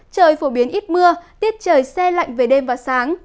trời phổ biến ít mưa tiết trời xe lạnh về đêm và sáng